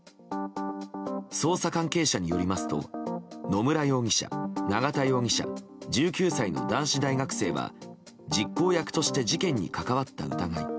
捜査関係者によりますと野村容疑者、永田容疑者１９歳の男子大学生は実行役として事件に関わった疑い。